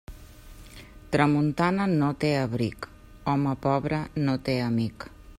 Tramuntana no té abric; home pobre no té amic.